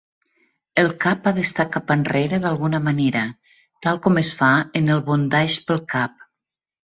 El cap ha d'estar cap enrere d'alguna manera, tal com es fa en el "bondage" pel cap.